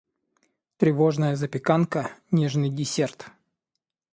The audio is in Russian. Творожная запеканка - нежный десерт.